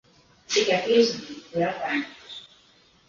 Es tikai piezvanīju, lai atvainotos.